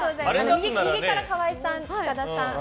右から河井さん、塚田さん。